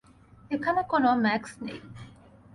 এখানে কোনো ম্যাক্স নেই।